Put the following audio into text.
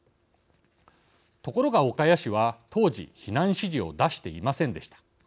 ところが、岡谷市は当時避難指示を出していませんでした。